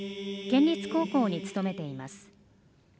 県立高校に勤めています。